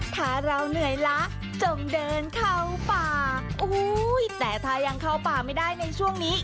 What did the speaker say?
ถ้าเราเหนื่อยล้าจงเดินเข้าป่าอุ้ยแต่ถ้ายังเข้าป่าไม่ได้ในช่วงนี้